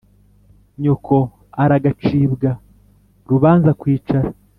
nyoko aragacibwa « rubanza-kwicara »